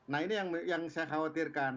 nah ini yang saya khawatirkan